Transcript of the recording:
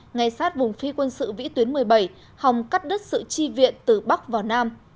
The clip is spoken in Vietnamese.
ngay sát vùng phi quân sự vĩ tuyến một mươi bảy hòng cắt đứt sự chi viện từ bắc vào nam